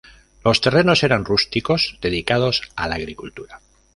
Los terrenos eran rústicos dedicados a la agricultura.